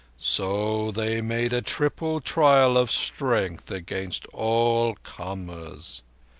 "So they made the triple trial of strength against all comers.